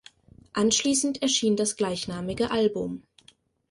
Anschließend erschien das gleichnamige Album.